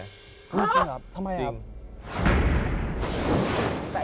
ฮะจริงหรือเปล่าทำไมครับจริงจริง